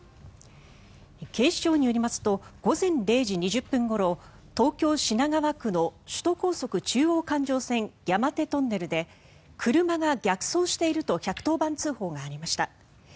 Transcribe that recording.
警視庁によりますと午前０時２０分ごろ東京・品川区の首都高速中央環状線山手トンネルで車が逆走していると１１０番通報がありました。